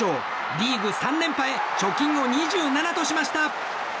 リーグ３連覇へ貯金を２７としました。